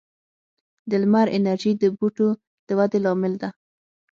د لمر انرژي د بوټو د ودې لامل ده.